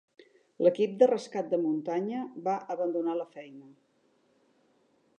L'equip de rescat de muntanya va abandonar la feina.